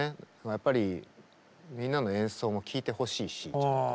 やっぱりみんなの演奏も聴いてほしいし。